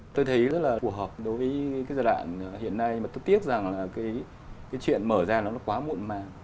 tôi thấy rất là phù hợp đối với cái giai đoạn hiện nay mà tôi tiếc rằng là cái chuyện mở ra nó quá muộn màng